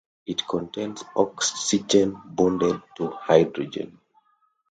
It contains oxygen bonded to hydrogen.